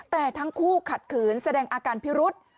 แต่ทั้งคู่ขัดขืนแสดงอาการพิรุษ